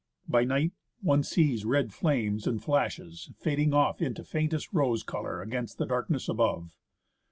By night, one sees red flames and flashes, fading off into faintest rose colour, against the darkness above.